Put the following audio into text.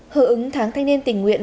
hữu ứng tháng thanh niên tỉnh nguyện